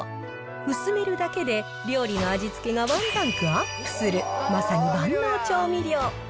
薄めるだけで、料理の味付けがワンランクアップする、まさに万能調味料。